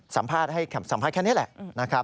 สัมภาษณ์ให้แค่นี้แหละ